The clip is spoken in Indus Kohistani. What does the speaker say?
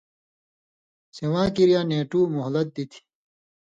سِواں کریا نېٹو/ مہلت دِتیۡ؛